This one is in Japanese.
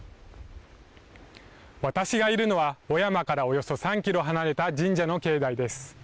私がいるのは、雄山からおよそ３キロ離れた神社の境内です。